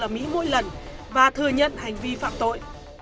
mỗi lần và thừa nhận hành vi phạm tội